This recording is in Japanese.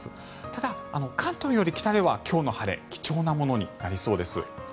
ただ、関東より北では今日の晴れ貴重なものになりそうです。